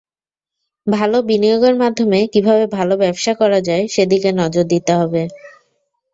ভালো বিনিয়োগের মাধ্যমে কীভাবে ভালো ব্যবসা করা যায়, সেদিকে নজর দিতে হবে।